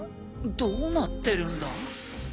どうなってるんだ？